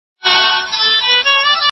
زه به اوږده موده تکړښت کړی وم!